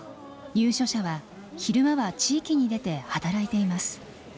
入所者は昼間は地域に出て働いています。